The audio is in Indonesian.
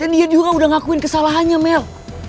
dan dia juga udah ngakuin kesalahannya mel